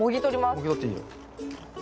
もぎ取っていいよ。